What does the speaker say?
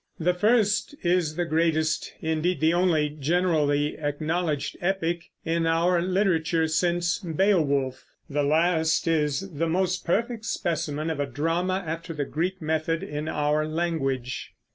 The first is the greatest, indeed the only generally acknowledged epic in our literature since Beowulf; the last is the most perfect specimen of a drama after the Greek method in our language.